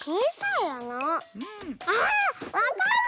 あわかった！